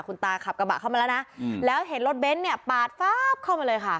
คุณตาขับกระบะเข้ามาแล้วนะแล้วเห็นรถเบ้นเนี่ยปาดฟ้าบเข้ามาเลยค่ะ